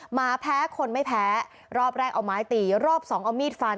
หมาแพ้คนไม่แพ้รอบแรกเอาไม้ตีรอบสองเอามีดฟัน